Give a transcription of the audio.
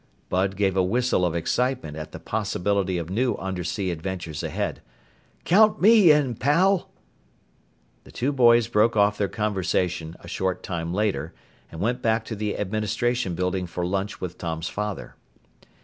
Bud gave a whistle of excitement at the possibility of new undersea adventures ahead. "Count me in, pal!" The two boys broke off their conversation a short time later and went back to the Administration Building for lunch with Tom's father.